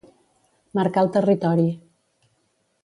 Marcar el territori.